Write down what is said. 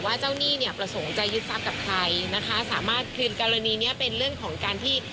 เจ้าหนี้เนี่ยประสงค์จะยึดทรัพย์กับใครนะคะสามารถคืนกรณีเนี้ยเป็นเรื่องของการที่